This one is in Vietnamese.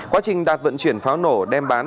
quá trình đạt vận chuyển pháo nổ đem bán